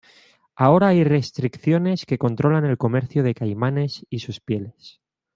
Ahora hay restricciones que controlan el comercio de caimanes y sus pieles.